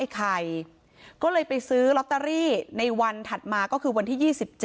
ไข่ก็เลยไปซื้อลอตเตอรี่ในวันถัดมาก็คือวันที่๒๗